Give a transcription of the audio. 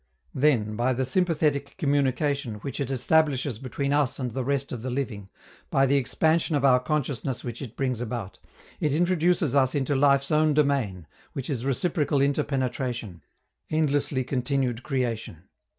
Then, by the sympathetic communication which it establishes between us and the rest of the living, by the expansion of our consciousness which it brings about, it introduces us into life's own domain, which is reciprocal interpenetration, endlessly continued creation.